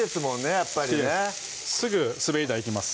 やっぱりねすぐ滑り台行きます